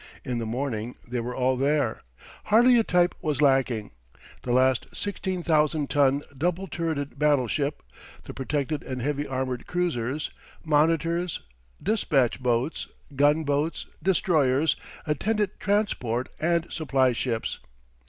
In the morning they were all there. Hardly a type was lacking the last 16,000 ton double turreted battleship, the protected and heavy armored cruisers, monitors, despatch boats, gun boats, destroyers, attendant transport, and supply ships.